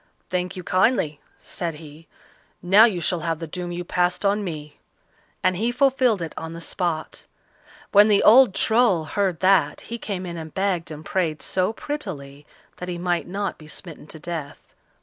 "Thank you kindly," said he. "Now you shall have the doom you passed on me," and he fulfilled it on the spot. When the old Troll heard that, he came in and begged and prayed so prettily that he might not be smitten to death.